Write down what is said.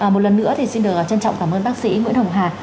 một lần nữa thì xin được trân trọng cảm ơn bác sĩ nguyễn hồng hà